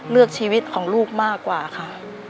ชีวิตของลูกมากกว่าค่ะ